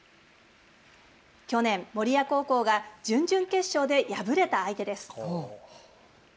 去年、守谷高校が準々決勝で敗れた相手です。